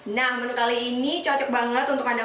nah menu kali ini cocok banget untuk anda